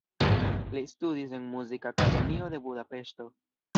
Li studis en Muzikakademio de Budapeŝto.